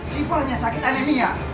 sifah hanya sakit anemia